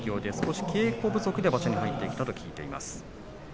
稽古不足で場所に入ってきたと聞いています。